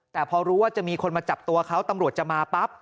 แต่พอรู้ว่าจะมีคนมาจับตัวเขาตำรวจจะมาปั๊บ